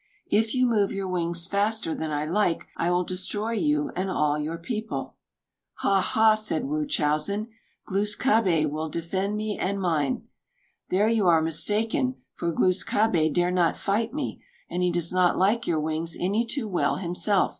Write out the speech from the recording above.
If you move your wings faster than I like, I will destroy you and all your people." "Ha, ha!" said Wūchowsen, "Glūs kābé will defend me and mine." "There you are mistaken; for Glūs kābé dare not fight me, and he does not like your wings any too well himself.